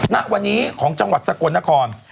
ณวันนี้ของจังหวัดสกลนคร